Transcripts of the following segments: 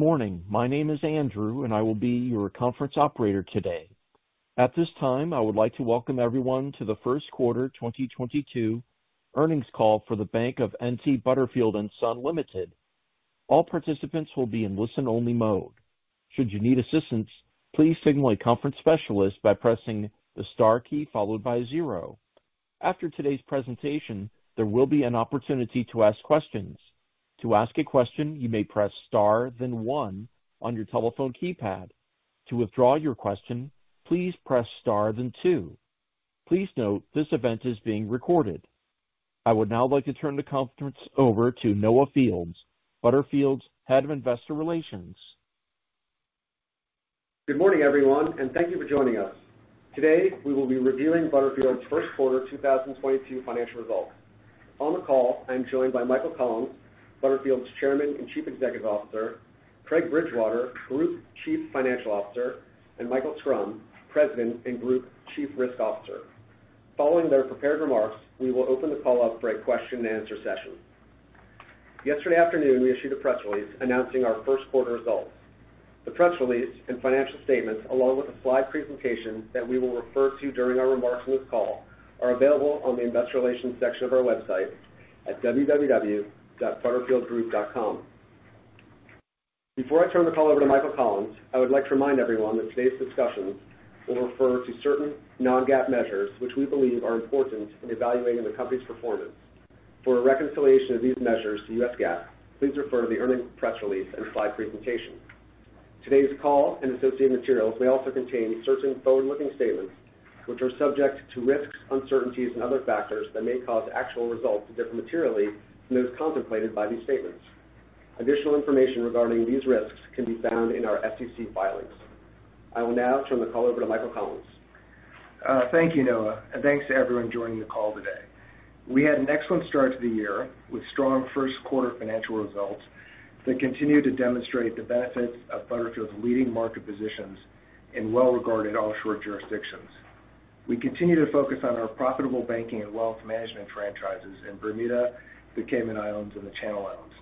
Good morning. My name is Andrew, and I will be your conference operator today. At this time, I would like to welcome everyone to the first quarter 2022 earnings call for The Bank of N.T. Butterfield & Son Limited. All participants will be in listen-only mode. Should you need assistance, please signal a conference specialist by pressing the star key followed by zero. After today's presentation, there will be an opportunity to ask questions. To ask a question, you may press star then one on your telephone keypad. To withdraw your question, please press star then two. Please note this event is being recorded. I would now like to turn the conference over to Noah Fields, Butterfield's Head of Investor Relations. Good morning, everyone, and thank you for joining us. Today, we will be reviewing Butterfield's first quarter 2022 financial results. On the call, I'm joined by Michael Collins, Butterfield's Chairman and Chief Executive Officer, Craig Bridgewater, Group Chief Financial Officer, and Michael Schrum, President and Group Chief Risk Officer. Following their prepared remarks, we will open the call up for a question-and-answer session. Yesterday afternoon, we issued a press release announcing our first quarter results. The press release and financial statements, along with the slide presentation that we will refer to during our remarks on this call, are available on the investor relations section of our website at www.butterfieldgroup.com. Before I turn the call over to Michael Collins, I would like to remind everyone that today's discussions will refer to certain non-GAAP measures, which we believe are important in evaluating the company's performance. For a reconciliation of these measures to U.S. GAAP, please refer to the earnings press release and slide presentation. Today's call and associated materials may also contain certain forward-looking statements, which are subject to risks, uncertainties, and other factors that may cause actual results to differ materially from those contemplated by these statements. Additional information regarding these risks can be found in our SEC filings. I will now turn the call over to Michael Collins. Thank you, Noah. Thanks to everyone joining the call today. We had an excellent start to the year with strong first quarter financial results that continue to demonstrate the benefits of Butterfield's leading market positions in well-regarded offshore jurisdictions. We continue to focus on our profitable banking and wealth management franchises in Bermuda, the Cayman Islands, and the Channel Islands.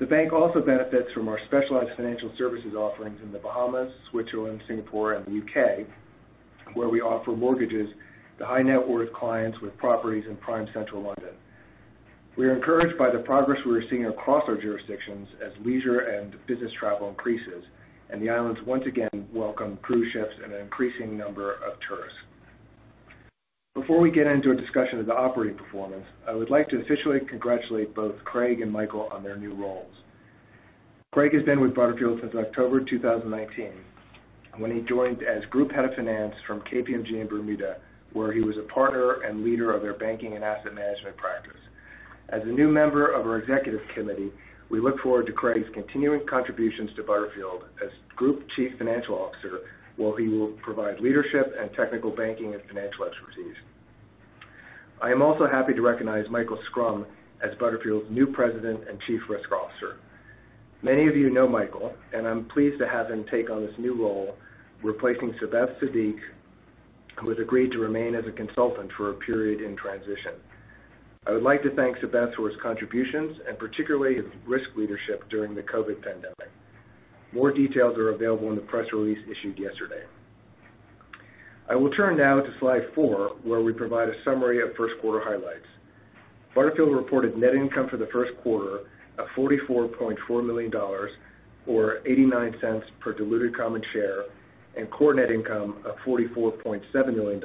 The bank also benefits from our specialized financial services offerings in The Bahamas, Switzerland, Singapore, and the U.K., where we offer mortgages to high-net-worth clients with properties in prime central London. We are encouraged by the progress we are seeing across our jurisdictions as leisure and business travel increases, and the islands once again welcome cruise ships and an increasing number of tourists. Before we get into a discussion of the operating performance, I would like to officially congratulate both Craig and Michael on their new roles. Craig has been with Butterfield since October 2019, when he joined as Group Head of Finance from KPMG in Bermuda, where he was a partner and leader of their banking and asset management practice. As a new member of our executive committee, we look forward to Craig's continuing contributions to Butterfield as Group Chief Financial Officer, where he will provide leadership and technical banking and financial expertise. I am also happy to recognize Michael Schrum as Butterfield's new President and Chief Risk Officer. Many of you know Michael, and I'm pleased to have him take on this new role, replacing Sabeth Siddique, who has agreed to remain as a consultant for a period in transition. I would like to thank Sabeth for his contributions and particularly his risk leadership during the COVID pandemic. More details are available in the press release issued yesterday. I will turn now to slide 4, where we provide a summary of first quarter highlights. Butterfield reported net income for the first quarter of $44.4 million or $0.89 per diluted common share, and core net income of $44.7 million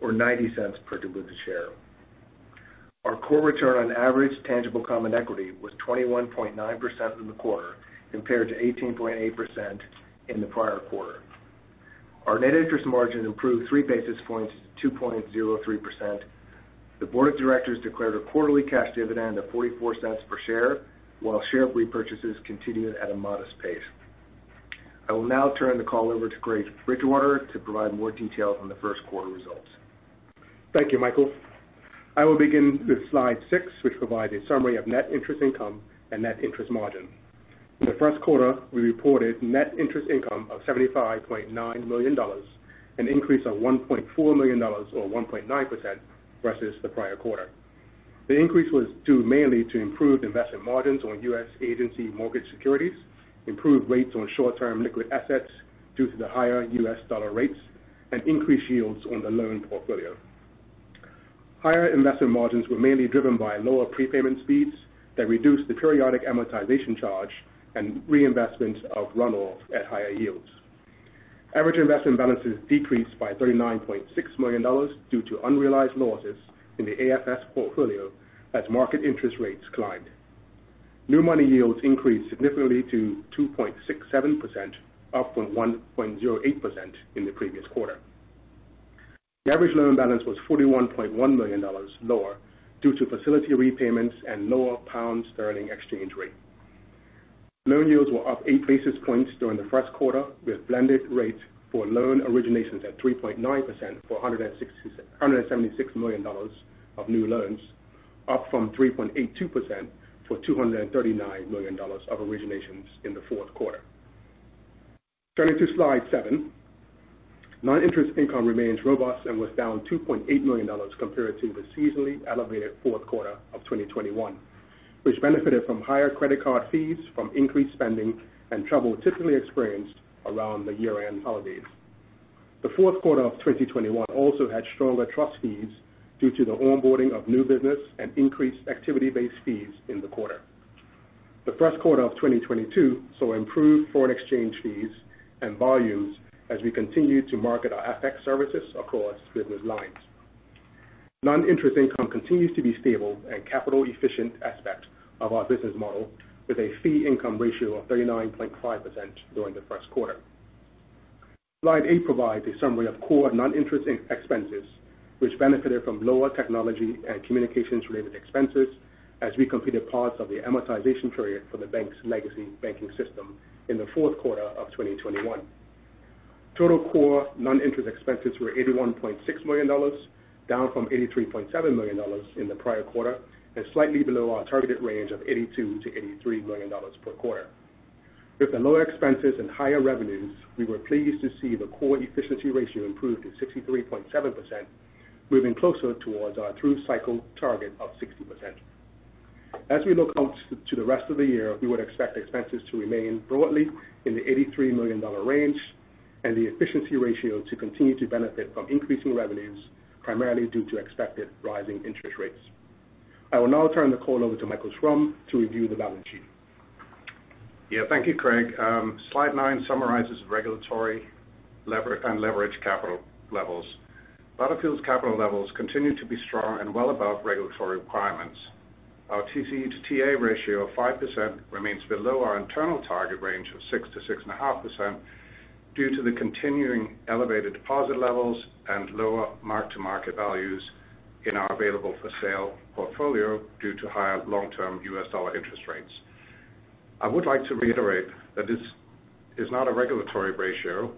or $0.90 per diluted share. Our core return on average tangible common equity was 21.9% in the quarter compared to 18.8% in the prior quarter. Our net interest margin improved 3 basis points to 2.03%. The board of directors declared a quarterly cash dividend of $0.44 per share while share repurchases continued at a modest pace. I will now turn the call over to Craig Bridgewater to provide more detail on the first quarter results. Thank you, Michael. I will begin with slide 6, which provides a summary of net interest income and net interest margin. In the first quarter, we reported net interest income of $75.9 million, an increase of $1.4 million or 1.9% versus the prior quarter. The increase was due mainly to improved investment margins on U.S. agency mortgage-backed securities, improved rates on short-term liquid assets due to the higher U.S. dollar rates, and increased yields on the loan portfolio. Higher investment margins were mainly driven by lower prepayment speeds that reduced the periodic amortization charge and reinvestment of runoff at higher yields. Average investment balances decreased by $39.6 million due to unrealized losses in the AFS portfolio as market interest rates climbed. New money yields increased significantly to 2.67%, up from 1.08% in the previous quarter. The average loan balance was $41.1 million lower due to facility repayments and lower pound sterling exchange rate. Loan yields were up 8 basis points during the first quarter, with blended rates for loan originations at 3.9% for $176 million of new loans, up from 3.82% for $239 million of originations in the fourth quarter. Turning to slide 7. Non-interest income remains robust and was down $2.8 million compared to the seasonally elevated fourth quarter of 2021, which benefited from higher credit card fees from increased spending and travel typically experienced around the year-end holidays. The fourth quarter of 2021 also had stronger trust fees due to the onboarding of new business and increased activity-based fees in the quarter. The first quarter of 2022 saw improved foreign exchange fees and volumes as we continued to market our FX services across business lines. Non-interest income continues to be stable and capital efficient aspect of our business model with a fee income ratio of 39.5% during the first quarter. Slide 8 provides a summary of core non-interest expenses which benefited from lower technology and communications related expenses as we completed parts of the amortization period for the bank's legacy banking system in the fourth quarter of 2021. Total core non-interest expenses were $81.6 million, down from $83.7 million in the prior quarter, and slightly below our targeted range of $82 million-$83 million per quarter. With the lower expenses and higher revenues, we were pleased to see the core efficiency ratio improve to 63.7%, moving closer toward our through-cycle target of 60%. As we look out to the rest of the year, we would expect expenses to remain broadly in the $83 million range and the efficiency ratio to continue to benefit from increasing revenues, primarily due to expected rising interest rates. I will now turn the call over to Michael Schrum to review the balance sheet. Yeah. Thank you, Craig. Slide 9 summarizes regulatory and leverage capital levels. Butterfield's capital levels continue to be strong and well above regulatory requirements. Our TCE to TA ratio of 5% remains below our internal target range of 6%-6.5% due to the continuing elevated deposit levels and lower mark-to-market values in our available for sale portfolio due to higher long-term U.S. dollar interest rates. I would like to reiterate that this is not a regulatory ratio,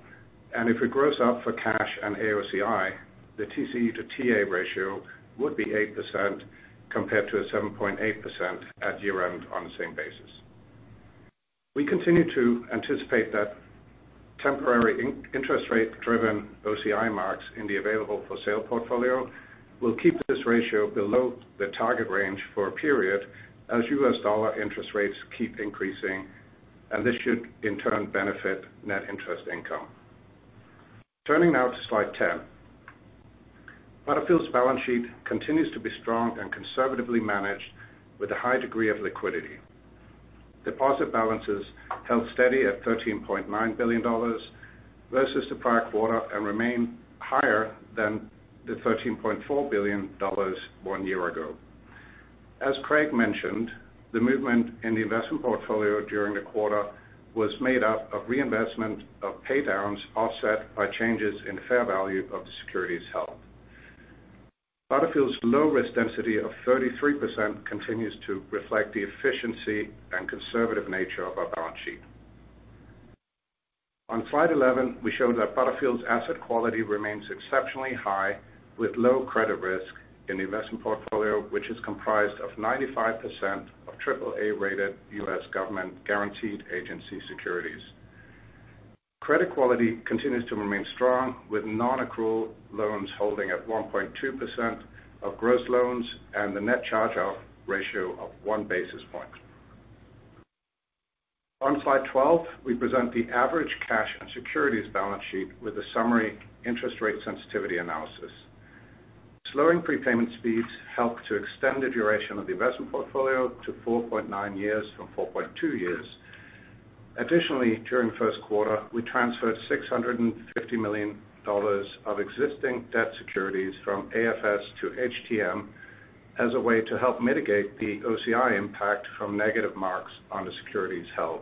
and if it gross up for cash and AOCI, the TCE to TA ratio would be 8% compared to a 7.8% at year-end on the same basis. We continue to anticipate that temporary interest rate driven OCI marks in the available for sale portfolio will keep this ratio below the target range for a period as U.S. dollar interest rates keep increasing, and this should in turn benefit net interest income. Turning now to slide 10. Butterfield's balance sheet continues to be strong and conservatively managed with a high degree of liquidity. Deposit balances held steady at $13.9 billion versus the prior quarter and remain higher than the $13.4 billion one year ago. As Craig mentioned, the movement in the investment portfolio during the quarter was made up of reinvestment of pay downs offset by changes in fair value of the securities held. Butterfield's low risk density of 33% continues to reflect the efficiency and conservative nature of our balance sheet. On slide 11, we show that Butterfield's asset quality remains exceptionally high with low credit risk in the investment portfolio, which is comprised of 95% of triple-A rated U.S. government guaranteed agency securities. Credit quality continues to remain strong with non-accrual loans holding at 1.2% of gross loans and the net charge-off ratio of 1 basis point. On slide 12, we present the average cash and securities balance sheet with a summary interest rate sensitivity analysis. Slowing prepayment speeds help to extend the duration of the investment portfolio to 4.9 years from 4.2 years. Additionally, during the first quarter, we transferred $650 million of existing debt securities from AFS to HTM as a way to help mitigate the OCI impact from negative marks on the securities held.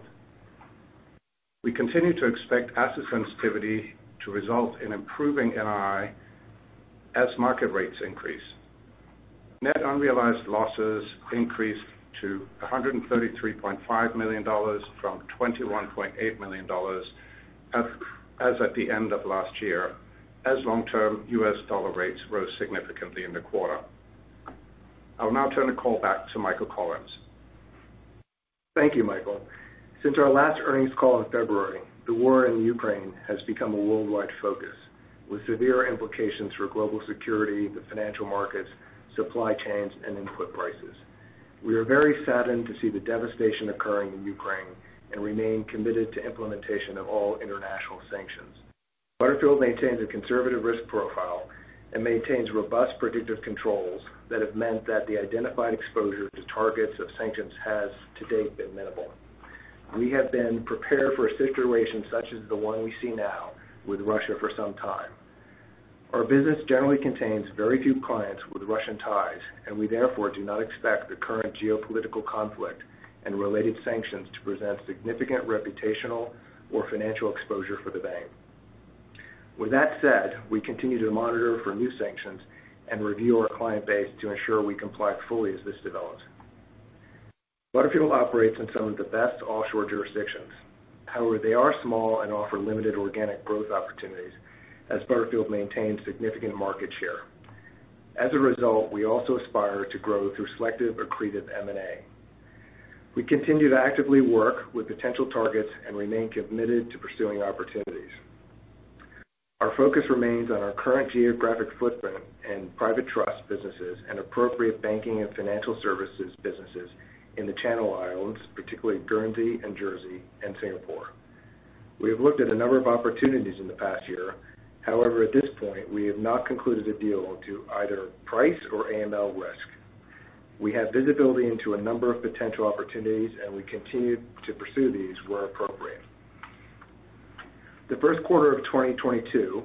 We continue to expect asset sensitivity to result in improving NII as market rates increase. Net unrealized losses increased to $133.5 million from $21.8 million as at the end of last year, as long-term U.S. dollar rates rose significantly in the quarter. I'll now turn the call back to Michael Collins. Thank you, Michael. Since our last earnings call in February, the war in Ukraine has become a worldwide focus with severe implications for global security, the financial markets, supply chains, and input prices. We are very saddened to see the devastation occurring in Ukraine and remain committed to implementation of all international sanctions. Butterfield maintains a conservative risk profile and maintains robust predictive controls that have meant that the identified exposure to targets of sanctions has to date been minimal. We have been prepared for a situation such as the one we see now with Russia for some time. Our business generally contains very few clients with Russian ties, and we therefore do not expect the current geopolitical conflict and related sanctions to present significant reputational or financial exposure for the bank. With that said, we continue to monitor for new sanctions and review our client base to ensure we comply fully as this develops. Butterfield operates in some of the best offshore jurisdictions. However, they are small and offer limited organic growth opportunities as Butterfield maintains significant market share. As a result, we also aspire to grow through selective accretive M&A. We continue to actively work with potential targets and remain committed to pursuing opportunities. Our focus remains on our current geographic footprint and private trust businesses and appropriate banking and financial services businesses in the Channel Islands, particularly Guernsey and Jersey and Singapore. We have looked at a number of opportunities in the past year. However, at this point, we have not concluded a deal due to either price or AML risk. We have visibility into a number of potential opportunities, and we continue to pursue these where appropriate. The first quarter of 2022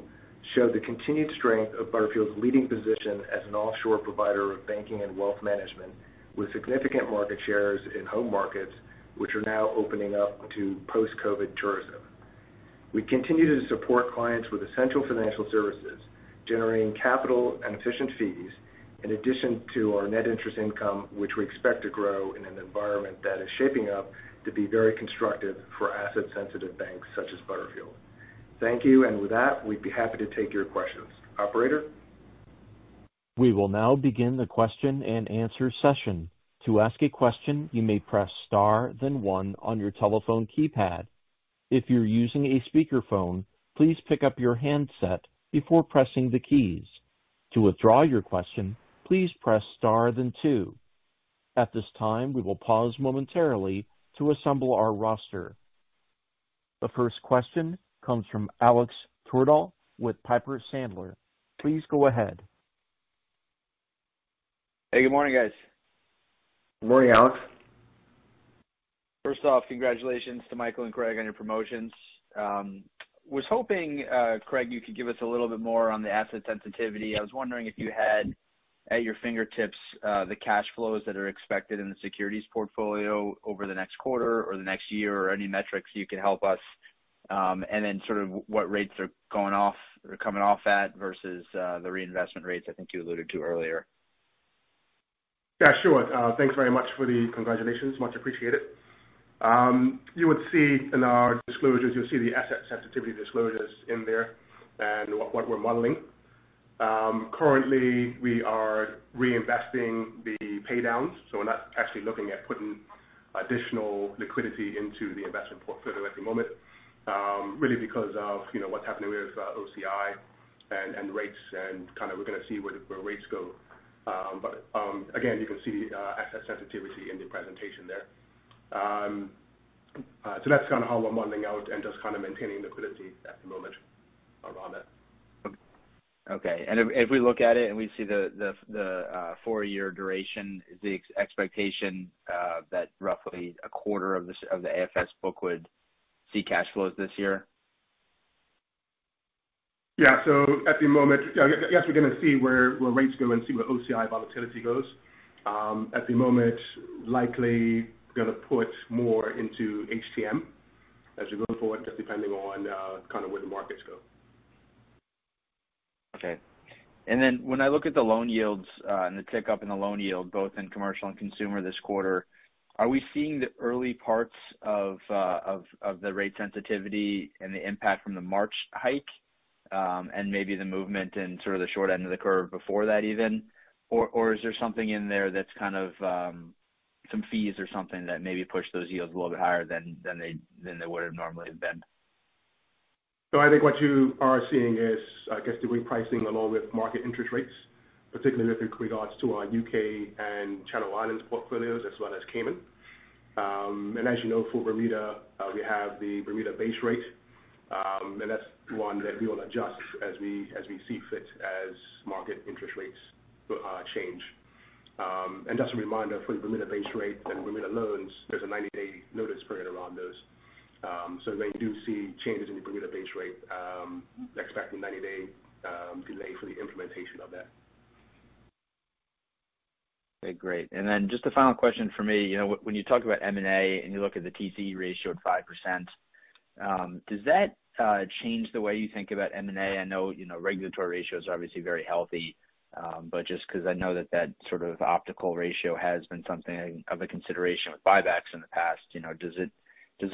showed the continued strength of Butterfield's leading position as an offshore provider of banking and wealth management, with significant market shares in home markets which are now opening up to post-COVID tourism. We continue to support clients with essential financial services, generating capital and efficient fees, in addition to our net interest income, which we expect to grow in an environment that is shaping up to be very constructive for asset-sensitive banks such as Butterfield. Thank you. With that, we'd be happy to take your questions. Operator? We will now begin the question-and-answer session. To ask a question, you may press star then one on your telephone keypad. If you're using a speakerphone, please pick up your handset before pressing the keys. To withdraw your question, please press star then two. At this time, we will pause momentarily to assemble our roster. The first question comes from Alex Twerdahl with Piper Sandler. Please go ahead. Hey, good morning, guys. Good morning, Alex. First off, congratulations to Michael and Craig on your promotions. I was hoping, Craig, you could give us a little bit more on the asset sensitivity. I was wondering if you had at your fingertips, the cash flows that are expected in the securities portfolio over the next quarter or the next year or any metrics you could help us, and then sort of what rates are going off or coming off at versus, the reinvestment rates I think you alluded to earlier. Yeah, sure. Thanks very much for the congratulations. Much appreciated. You would see in our disclosures. You'll see the asset sensitivity disclosures in there and what we're modeling. Currently we are reinvesting the pay downs, so we're not actually looking at putting additional liquidity into the investment portfolio at the moment, really because of, you know, what's happening with OCI and rates and kinda we're gonna see where rates go. Again, you can see asset sensitivity in the presentation there. That's kinda how we're modeling out and just kinda maintaining liquidity at the moment around that. If we look at it and we see the four-year duration, is the expectation that roughly a quarter of the AFS book would see cash flows this year? Yeah. At the moment, I guess we're gonna see where rates go and see where OCI volatility goes. At the moment, likely gonna put more into HTM as we go forward, just depending on kinda where the markets go. Okay. When I look at the loan yields and the tick up in the loan yield, both in commercial and consumer this quarter, are we seeing the early parts of the rate sensitivity and the impact from the March hike and maybe the movement in sort of the short end of the curve before that even? Or is there something in there that's kind of some fees or something that maybe pushed those yields a little bit higher than they would have normally have been? I think what you are seeing is, I guess, the repricing along with market interest rates, particularly with regards to our U.K. and Channel Islands portfolios as well as Cayman. As you know, for Bermuda, we have the Bermuda base rate, and that's one that we will adjust as we see fit as market interest rates change. Just a reminder for the Bermuda base rate and Bermuda loans, there's a 90-day notice period around those. When you do see changes in the Bermuda base rate, expect a 90-day delay for the implementation of that. Okay, great. Just a final question from me. You know, when you talk about M&A and you look at the TCE ratio at 5%, does that change the way you think about M&A? I know, you know, regulatory ratios are obviously very healthy, but just 'cause I know that that sort of optical ratio has been something of a consideration with buybacks in the past. You know, does it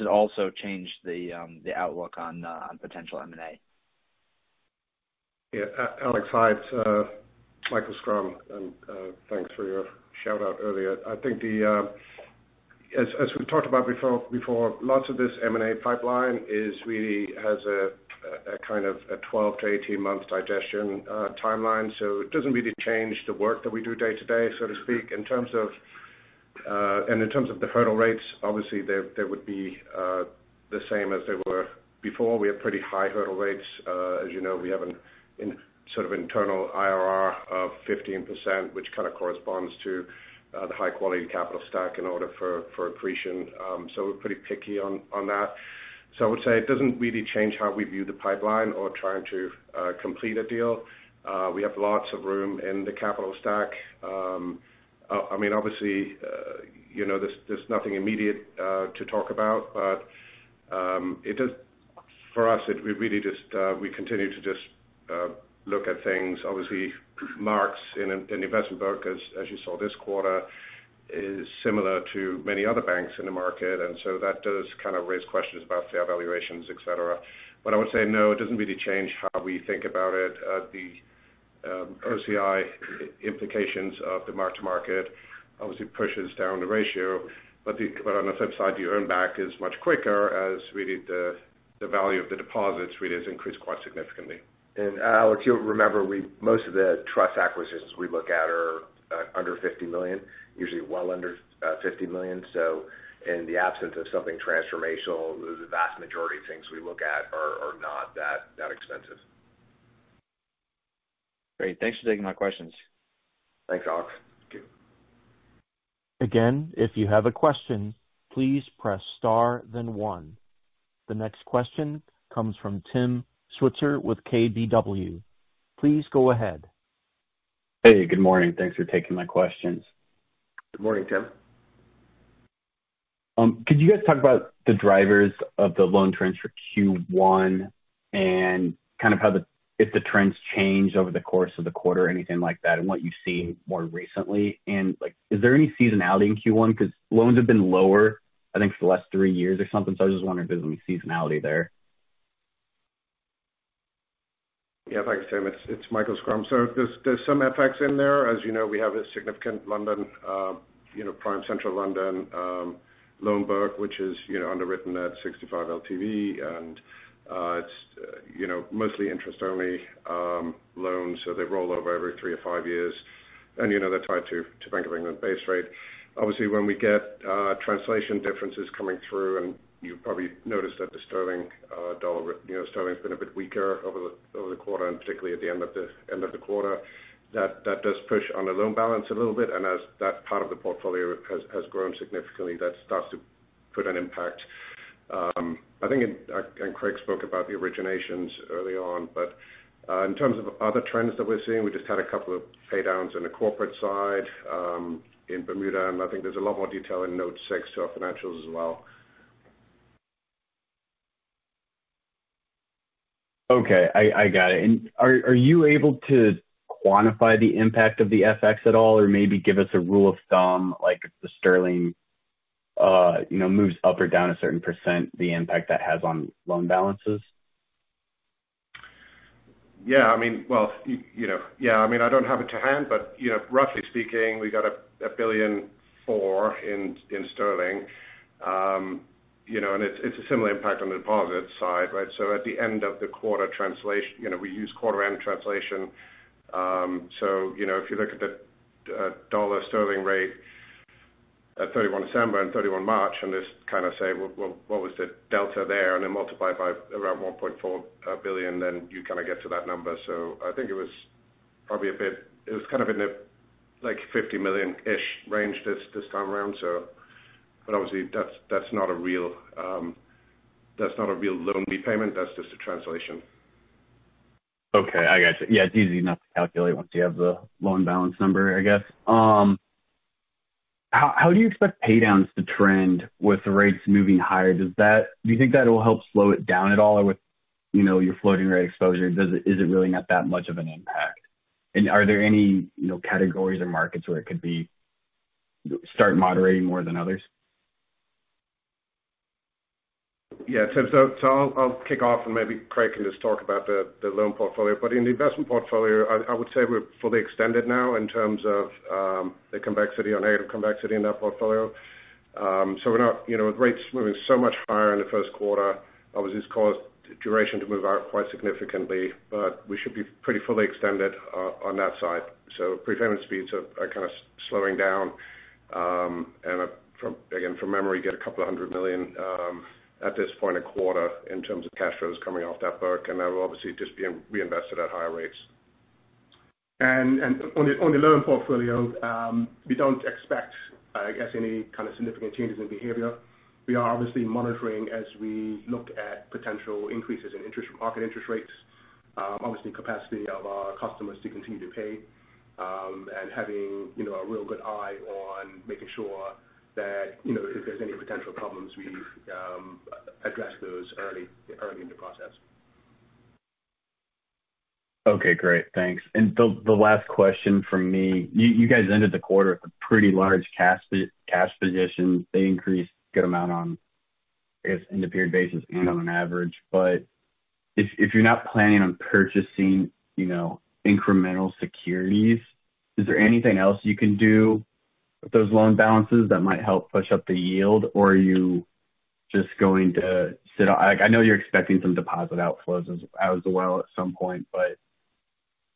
also change the outlook on potential M&A? Yeah. Alex, hi. It's Michael Schrum. Thanks for your shout-out earlier. I think as we've talked about before, lots of this M&A pipeline really has a kind of a 12-18-month digestion timeline. It doesn't really change the work that we do day to day, so to speak. In terms of the hurdle rates, obviously they would be the same as they were before. We have pretty high hurdle rates. As you know, we have an internal IRR of 15%, which kind of corresponds to the high quality capital stack in order for accretion. We're pretty picky on that. I would say it doesn't really change how we view the pipeline or trying to complete a deal. We have lots of room in the capital stack. I mean, obviously, you know, there's nothing immediate to talk about. For us, we really just continue to just look at things. Obviously, marks in an investment book, as you saw this quarter. It's similar to many other banks in the market, and so that does kind of raise questions about fair valuations, et cetera. I would say, no, it doesn't really change how we think about it. The OCI implications of the mark-to-market obviously pushes down the ratio. On the flip side, the earn back is much quicker as really the value of the deposits really has increased quite significantly. Alex, you'll remember we most of the trust acquisitions we look at are under $50 million, usually well under $50 million. In the absence of something transformational, the vast majority of things we look at are not that expensive. Great. Thanks for taking my questions. Thanks, Alex. Thank you. Again, if you have a question, please press star then one. The next question comes from Timothy Switzer with KBW. Please go ahead. Hey, good morning. Thanks for taking my questions. Good morning, Tim. Could you guys talk about the drivers of the loan trends for Q1 and kind of if the trends changed over the course of the quarter or anything like that, and what you've seen more recently? Like, is there any seasonality in Q1? 'Cause loans have been lower, I think, for the last three years or something, so I was just wondering if there's any seasonality there. Yeah. Thanks, Tim. It's Michael Schrum. There's some FX in there. As you know, we have a significant London, you know, prime central London loan book, which is, you know, underwritten at 65 LTV and it's, you know, mostly interest-only loans, so they roll over every three to five years. You know, they're tied to Bank of England base rate. Obviously, when we get translation differences coming through, and you've probably noticed that the sterling dollar, you know, sterling's been a bit weaker over the quarter and particularly at the end of the quarter, that does push on the loan balance a little bit. As that part of the portfolio has grown significantly, that starts to put an impact. I think Craig spoke about the originations early on, but in terms of other trends that we're seeing, we just had a couple of pay downs in the corporate side, in Bermuda, and I think there's a lot more detail in Note 6 to our financials as well. Okay. I got it. Are you able to quantify the impact of the FX at all or maybe give us a rule of thumb, like if the sterling, you know, moves up or down a certain %, the impact that has on loan balances? Yeah, I mean, well, you know, yeah, I mean, I don't have it to hand, but you know, roughly speaking, we got 1.4 billion. You know, and it's a similar impact on the deposit side, right? At the end of the quarter translation, you know, we use quarter end translation, so you know, if you look at the dollar sterling rate at 31 December and 31 March, and just kind of say, well, what was the delta there? Then multiply by around 1.4 billion, then you kind of get to that number. I think it was probably a bit it was kind of in the like $50 million-ish range this time around, so. Obviously, that's not a real loan repayment, that's just a translation. Okay. I got you. Yeah, it's easy enough to calculate once you have the loan balance number, I guess. How do you expect pay downs to trend with rates moving higher? Do you think that will help slow it down at all? Or with, you know, your floating rate exposure, is it really not that much of an impact? Are there any, you know, categories or markets where it could start moderating more than others? Yeah. I'll kick off and maybe Craig can just talk about the loan portfolio. But in the investment portfolio, I would say we're fully extended now in terms of the convexity or negative convexity in that portfolio. We're not, you know, with rates moving so much higher in the first quarter, obviously it's caused duration to move out quite significantly, but we should be pretty fully extended on that side. Prepayment speeds are kind of slowing down, and from memory, get $200 million at this point a quarter in terms of cash flows coming off that book, and that will obviously just be reinvested at higher rates. On the loan portfolio, we don't expect, I guess, any kind of significant changes in behavior. We are obviously monitoring as we look at potential increases in interest market interest rates, obviously capacity of our customers to continue to pay, and having, you know, a real good eye on making sure that, you know, if there's any potential problems we address those early in the process. Okay, great. Thanks. The last question from me, you guys ended the quarter with a pretty large cash position. They increased good amount on, I guess, end of period basis and on an average. If you're not planning on purchasing, you know, incremental securities, is there anything else you can do with those loan balances that might help push up the yield? Are you just going to sit. Like, I know you're expecting some deposit outflows as well at some point, but,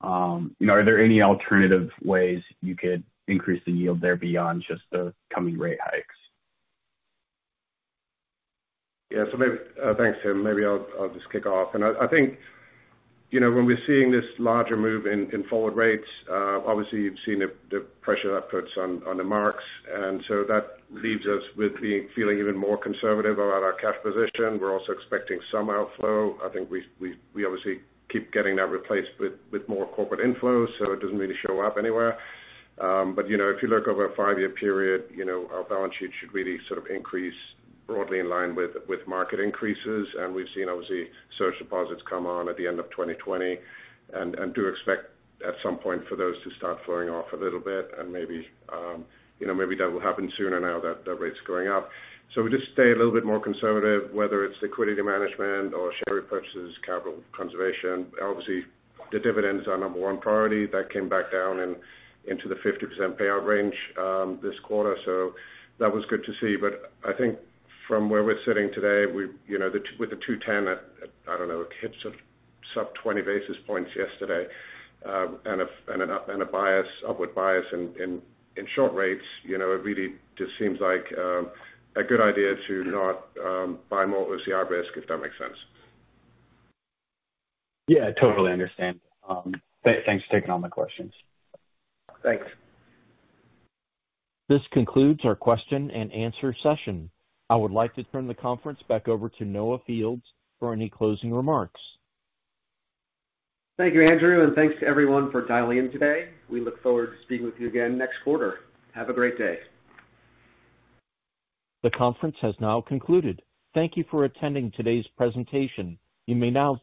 you know, are there any alternative ways you could increase the yield there beyond just the coming rate hikes? Thanks, Tim. Maybe I'll just kick off. I think, you know, when we're seeing this larger move in forward rates, obviously you've seen the pressure that puts on the marks. That leaves us feeling even more conservative about our cash position. We're also expecting some outflow. I think we obviously keep getting that replaced with more corporate inflows, so it doesn't really show up anywhere. You know, if you look over a five-year period, you know, our balance sheet should really sort of increase broadly in line with market increases. We've seen obviously surge deposits come on at the end of 2020, and we do expect at some point for those to start flowing off a little bit and maybe, you know, maybe that will happen sooner now that the rate's going up. We just stay a little bit more conservative, whether it's liquidity management or share repurchases, capital conservation. Obviously, the dividend is our number one priority. That came back down into the 50% payout range this quarter, so that was good to see. I think from where we're sitting today, we, you know, with the 2/10 at, I don't know, it's sub-20 basis points yesterday, and an upward bias in short rates, you know, it really just seems like a good idea to not buy more OCI risk, if that makes sense. Yeah, I totally understand. Thanks for taking all my questions. Thanks. This concludes our question and answer session. I would like to turn the conference back over to Noah Fields for any closing remarks. Thank you, Andrew, and thanks to everyone for dialing in today. We look forward to speaking with you again next quarter. Have a great day. The conference has now concluded. Thank you for attending today's presentation. You may now disconnect.